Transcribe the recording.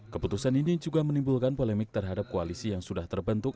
keputusan ini juga menimbulkan polemik terhadap koalisi yang sudah terbentuk